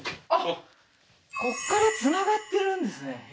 こっからつながってるんですね